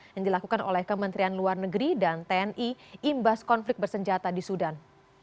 yang dilakukan oleh kementerian luar negeri dan tni imbas konflik bersenjata di sudan